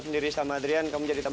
ingrid dia lebih baik k wid